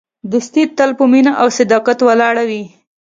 دوستي تل په مینه او صداقت ولاړه وي.